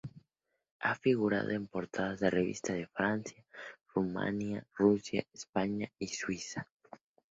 Ha figurado en portadas de revista de Francia, Rumanía, Rusia, España y Suiza.